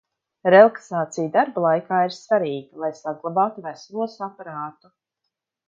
Relaksācija darba laikā ir svarīga, lai saglabātu veselo saprātu.